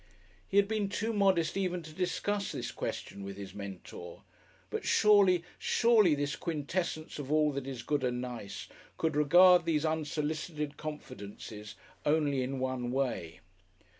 He had been too modest even to discuss this question with his Mentor, but surely, surely this quintessence of all that is good and nice could regard these unsolicited confidences only in one way.